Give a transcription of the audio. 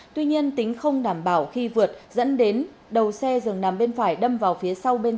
tuy nhiên tính không đảm bảo khi vượt dẫn đến đầu xe dường nằm bên phải đâm vào phía sau